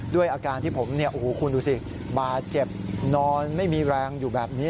ด้วยอาการที่ผมคุณดูสิบาดเจ็บนอนไม่มีแรงอยู่แบบนี้